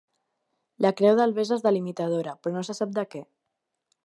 La creu d'Albesa és delimitadora, però no se sap de què.